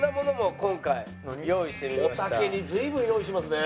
おたけに随分用意しますね。